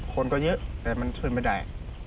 คนก็เยอะแต่มันช่วยไม่ได้